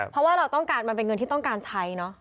เพราะว่าเราต้องการมันเป็นเงินที่ต้องการใช้เนอะ